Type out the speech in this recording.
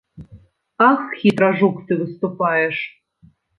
Ах, хітра, жук, ты выступаеш.